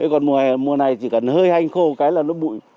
còn mùa này chỉ cần hơi hanh khô cái là nó bụi